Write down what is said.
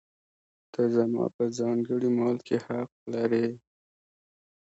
ته زما په ځانګړي مال کې حق لرې.